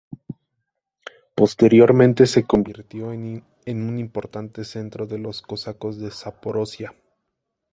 Posteriormente se convirtió en un importante centro de los cosacos de Zaporozhia.